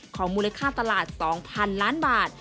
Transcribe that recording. มูลค่าตลาด๒๐๐๐ล้านบาท